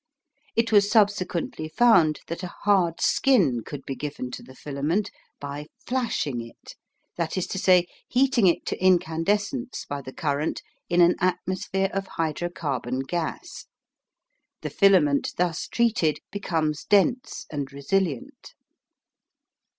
It was subsequently found that a hard skin could be given to the filament by "flashing" it that is to say, heating it to incandescence by the current in an atmosphere of hydrocarbon gas. The filament thus treated becomes dense and resilient.